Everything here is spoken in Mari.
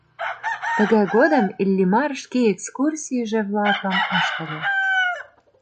Тыгай годым Иллимар шке экскурсийже-влакым ыштыле.